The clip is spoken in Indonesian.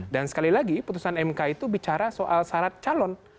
dan sekali lagi putusan mk itu bicara soal syarat calon